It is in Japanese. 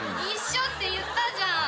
一緒って言ったじゃん。